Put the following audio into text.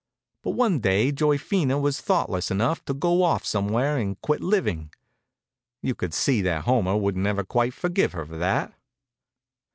But one day Joyphena was thoughtless enough to go off somewhere and quit living. You could see that Homer wouldn't ever quite forgive her for that.